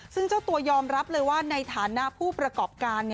ซึ่งเจ้าตัวยอมรับเลยว่าในฐานะผู้ประกอบการ